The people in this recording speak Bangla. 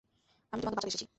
আমি তোমাকে বাঁচাতে এসেছি।